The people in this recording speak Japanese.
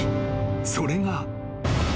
［それが］